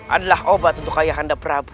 adalah obat untuk ayahanda prabu